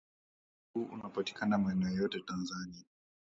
Ugonjwa huu unapatikana maeneo yote Tanzania